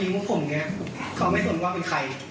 เคยมีปัญหาส่วนตัวของคนชื่อเอิ้นมาก่อนไหม